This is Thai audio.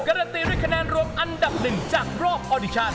การันตีด้วยคะแนนรวมอันดับหนึ่งจากรอบออดิชัน